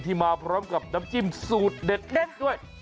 มาพร้อมกับน้ำจิ้มสูตรเด็ดด้วย